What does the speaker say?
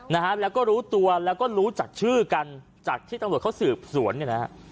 นะฮะแล้วก็รู้ตัวแล้วก็รู้จักชื่อกันจากที่ตำรวจเขาสืบสวนเนี่ยนะฮะ